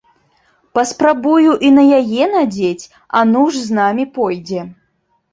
Папрабую і на яе надзець, а ну ж з намі пойдзе.